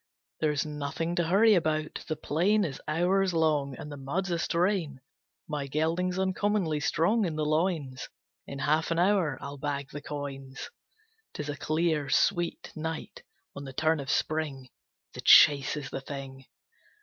There's nothing to hurry about, the plain Is hours long, and the mud's a strain. My gelding's uncommonly strong in the loins, In half an hour I'll bag the coins. 'Tis a clear, sweet night on the turn of Spring. The chase is the thing!